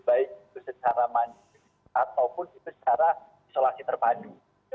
baik itu secara mandiri ataupun itu secara isolasi terpadu